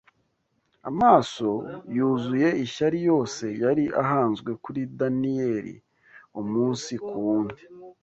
Amaso yuzuye ishyari yose yari ahanzwe kuri Daniyeli umunsi ku wundi